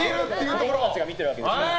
子供たちが見てるわけですから。